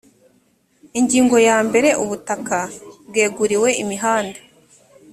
ingingo ya mbere ubutaka bweguriwe imihanda